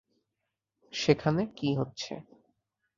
সেখানে কি হচ্ছে?